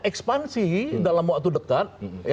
ekspansi dalam waktu dekat